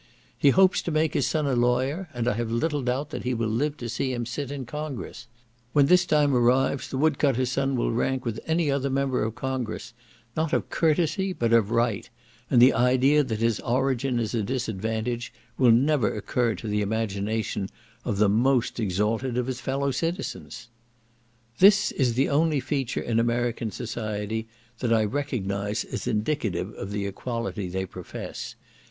He hopes to make his son a lawyer, and I have little doubt that he will live to see him sit in congress; when this time arrives, the wood cutter's son will rank with any other member of congress, not of courtesy, but of right, and the idea that his origin is a disadvantage, will never occur to the imagination of the most exalted of his fellow citizens. This is the only feature in American society that I recognise as indicative of the equality they profess.